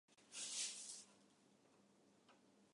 ことに吾輩が時々同衾する子供のごときに至っては言語道断である